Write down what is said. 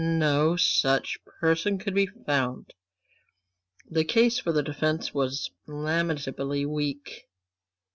No such person could be found. The case for the defence was lamentably weak.